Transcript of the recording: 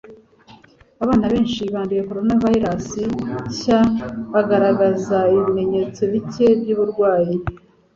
Abana benshi banduye coronavirus nshya bagaragaza ibimenyetso bike byuburwayi